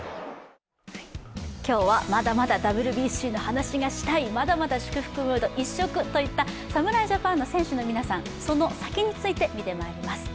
今日はまだまだＷＢＣの話がしたいまだまだ祝福ムード一色といった侍ジャパン選手の皆さん、その先についてみてまいります。